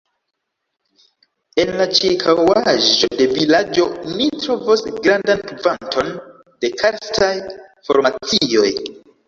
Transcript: En la ĉirkaŭaĵo de vilaĝo ni trovos grandan kvanton de karstaj formacioj.